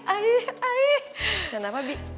aih aih aih